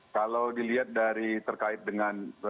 kalau dilihat dari terkait dengan